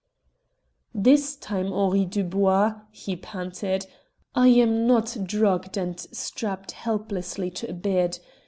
"This time, Henri Dubois," he panted, "I am not drugged and strapped helplessly to a bed.